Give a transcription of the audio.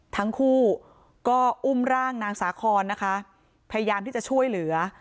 ทั้งคู่ก็อุ้มร่างนางสาคอนนะคะพยายามที่จะช่วยเหลือ